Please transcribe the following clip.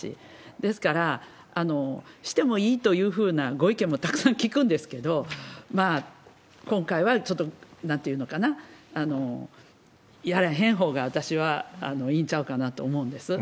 ですから、してもいいというふうなご意見もたくさん聞くんですけど、今回はちょっと、なんというのかな、やらへんほうが私はいいんちゃうかなと思うんです。